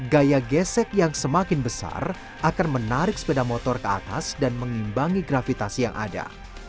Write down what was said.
gaya gesek yang semakin besar akan menarik sepeda motor ke atas dan mengimbangi gravitasi yang ada